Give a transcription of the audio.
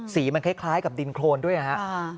สีมันคล้ายกับดินโครนด้วยนะครับ